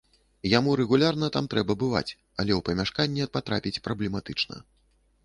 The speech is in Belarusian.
Яму рэгулярна там трэба бываць, але ў памяшканне патрапіць праблематычна.